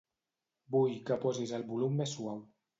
Vull que posis el volum més suau.